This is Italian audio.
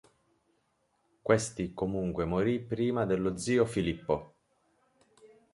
Questi comunque morì prima dello zio Filippo.